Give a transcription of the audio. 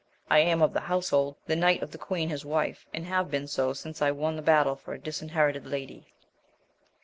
I am of that household, the knight of the queen his wife, and have been so since I won the battle for a disherited lady.